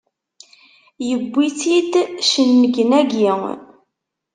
Yewwi-tt-id cennegnagi!